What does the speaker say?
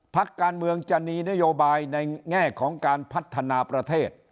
พักการเมืองจะมีนโยบายในแง่ของการพัฒนาประเทศ